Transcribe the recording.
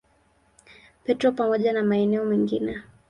Petro pamoja na maeneo mengine.